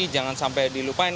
jangan sampai dilupain